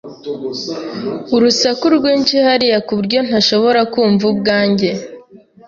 Urusaku rwinshi hariya ku buryo ntashoboraga kumva ubwanjye.